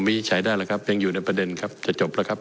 วินิจฉัยได้แล้วครับยังอยู่ในประเด็นครับจะจบแล้วครับ